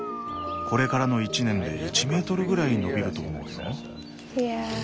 これからの１年で１メートルぐらい伸びると思うよ。